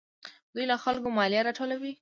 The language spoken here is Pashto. دوی له خلکو مالیه راټولوي.